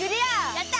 やった！